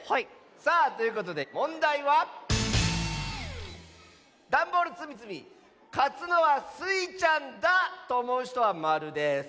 さあということでもんだいはだんボールつみつみかつのはスイちゃんだとおもうひとは○です。